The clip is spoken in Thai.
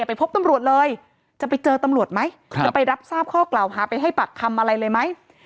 ไปพบตำรวจเลยจะไปเจอตำรวจไหมจะไปรับทราบข้อกล่าวหาไปให้ปากคำอะไรเลยไหม